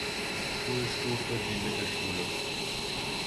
Schulstufe die Mittelschule.